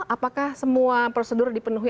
apakah semua prosedur dipenuhi